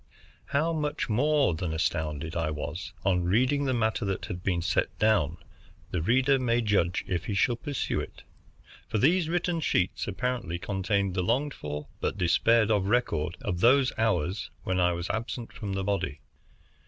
How much more than astounded I was on reading the matter that had been set down, the reader may judge if he shall peruse it. For these written sheets apparently contained the longed for but despaired of record of those hours when I was absent from the body.